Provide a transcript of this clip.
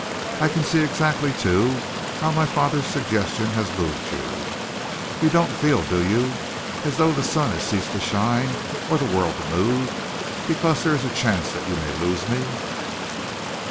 I can see exactly, too, how my father's suggestion has moved you. You don't feel, do you, as though the sun had ceased to shine, or the world to move, because there is a chance that you may lose me?"